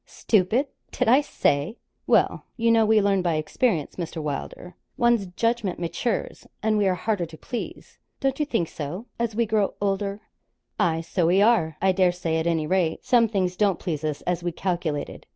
'Stupid! did I say? Well, you know, we learn by experience, Mr. Wylder. One's judgment matures, and we are harder to please don't you think so? as we grow older.' 'Aye, so we are, I dare say; at any rate, some things don't please us as we calculated.